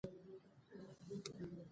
واوره د افغانستان د انرژۍ د سکتور برخه ده.